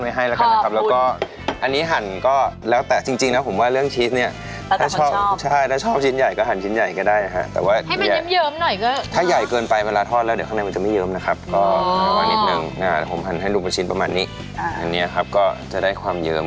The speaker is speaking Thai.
ให้แล้วกันนะครับแล้วก็อันนี้หั่นก็แล้วแต่จริงนะผมว่าเรื่องชีสเนี่ยถ้าชอบใช่ถ้าชอบชิ้นใหญ่ก็หั่นชิ้นใหญ่ก็ได้ฮะแต่ว่าถ้าใหญ่เกินไปเวลาทอดแล้วเดี๋ยวข้างในมันจะไม่เยิ้มนะครับก็ระวังนิดนึงผมหั่นให้ลูกเป็นชิ้นประมาณนี้อันนี้ครับก็จะได้ความเยิ้ม